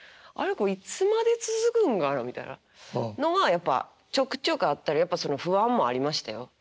これいつまで続くんかな」みたいな。のがやっぱちょくちょくあったりやっぱ不安もありましたよ。